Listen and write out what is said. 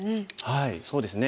はいそうですね。